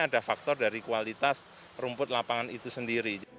ada faktor dari kualitas rumput lapangan itu sendiri